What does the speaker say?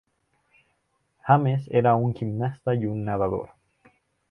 James era un gimnasta y un nadador.